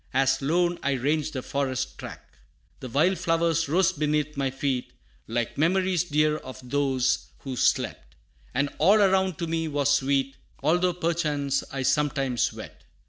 As lone I ranged the forest track. The wild flowers rose beneath my feet Like memories dear of those who slept, And all around to me was sweet, Although, perchance, I sometimes wept.